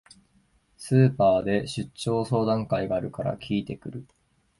スーパーで出張相談会があるから聞いてくる